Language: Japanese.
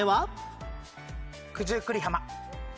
九十九里浜。